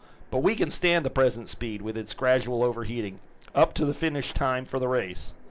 But we can stand the present speed, with its gradual overheating, up to the finish time for the race.